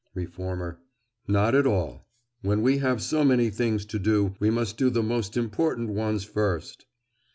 REFORMER: Not at all. When we have so many things to do we must do the most important ones first.